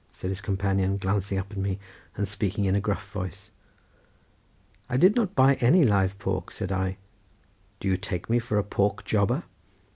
said his companion glancing up at me, and speaking in a gruff voice. "I did not buy any live pork," said I; "do you take me for a pig jobber?"